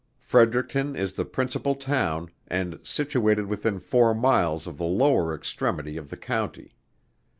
Fredericton is the principal Town, and situated within four miles of the lower extremity of the County.